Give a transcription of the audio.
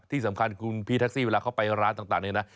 ที่สำคัญคุณพี่แท็กซี่เวลาเขาไปร้านต่างเนี่ยนะ